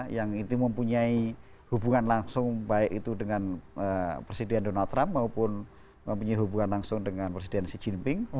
yang itu mempunyai hubungan langsung baik itu dengan presiden donald trump maupun mempunyai hubungan langsung dengan presiden xi jinping